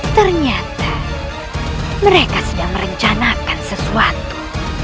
ternyata mereka sedang merencanakan sesuatu